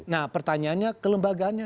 nah pertanyaannya kelembagaannya